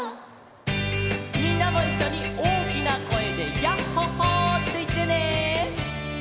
みんなもいっしょにおおきなこえで「ヤッホ・ホー」っていってね！